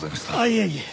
いえいえ。